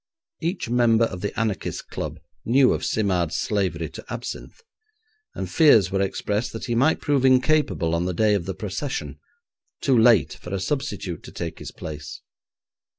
Each member of the anarchists' club knew of Simard's slavery to absinthe, and fears were expressed that he might prove incapable on the day of the procession, too late for a substitute to take his place.